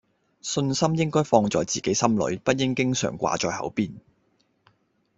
信心應該放在自己心裡，不應經常掛在口邊